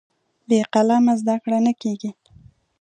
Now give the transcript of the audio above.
بې قلمه زده کړه نه کېږي.